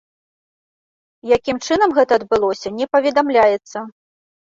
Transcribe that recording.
Якім чынам гэта адбылося, не паведамляецца.